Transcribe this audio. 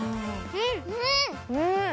うん！